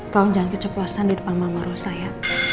tolong jangan keceplasan di depan mama rosa ya